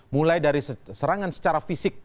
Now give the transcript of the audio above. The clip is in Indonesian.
mulai dari serangan secara fisik